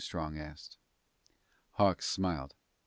Strong asked. Hawks smiled.